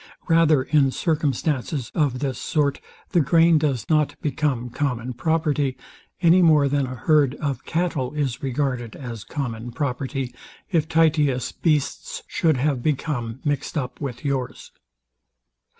Rather, in circumstances of this sort the grain does not become common property, any more than a herd of cattle is regarded as common property, If Titius beasts should have become mixed up with yours.